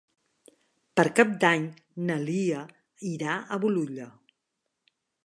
Per Cap d'Any na Lia irà a Bolulla.